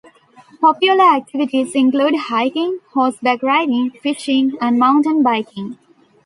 Popular activities include hiking, horseback riding, fishing and mountain biking.